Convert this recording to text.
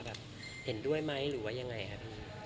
แบบเห็นด้วยมั้ยหรืวยังไงค่ะค่ะ